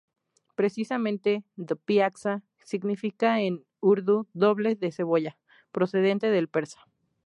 Precisamente "do piazza" significa en urdu "doble de cebolla" procedente del persa دوپیازه.